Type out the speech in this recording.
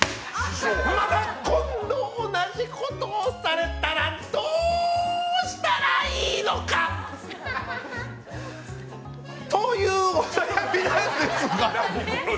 また今度同じことをされたらどうしたらいいのか。というお悩みなんですが。